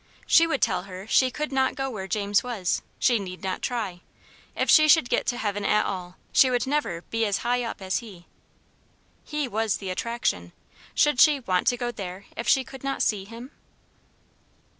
She would tell her she could not go where James was; she need not try. If she should get to heaven at all, she would never be as high up as he. HE was the attraction. Should she "want to go there if she could not see him?"